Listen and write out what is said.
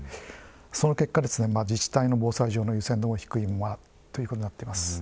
その結果自治体の防災上の優先度も低いままということになっています。